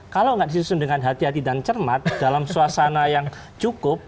kalau nggak disusun dengan hati hati dan cermat dalam suasana yang cukup